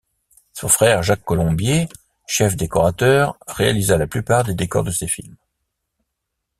Son frère, Jacques Colombier, chef décorateur, réalisa la plupart des décors de ses films.